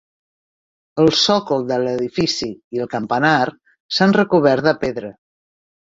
El sòcol de l'edifici i el campanar s'han recobert de pedra.